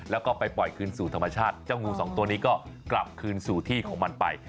แล้วก็ไปปล่อยคืนสู่ธรรมชาติเจ้างูสองตัวนี้ก็กลับคืนสู่ที่ของมันไป